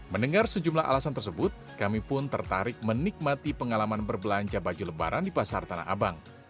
mendengar sejumlah alasan tersebut kami pun tertarik menikmati pengalaman berbelanja baju lebaran di pasar tanah abang